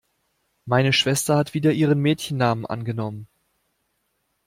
Meine Schwester hat wieder ihren Mädchennamen angenommen.